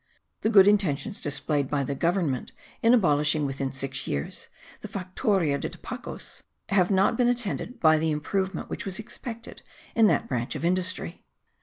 The good intentions displayed by the government in abolishing, within six years, the Factoria de tabacos, have not been attended by the improvement which was expected in that branch of industry.